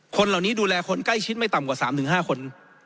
คนเหล่านี้ดูแลคนใกล้ชิดไม่ต่ำกว่า๓๕คน